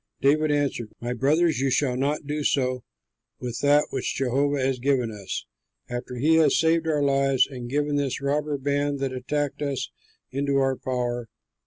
David answered, "My brothers, you shall not do so with that which Jehovah has given us, after he has saved our lives and given this robber band that attacked us into our power.